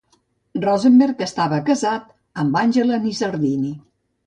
Rosenberg estava casat amb Angela Nizzardini.